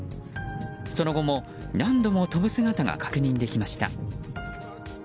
その後も何度も飛ぶ姿が確認できました。